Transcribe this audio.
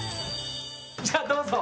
じゃあ、どうぞ。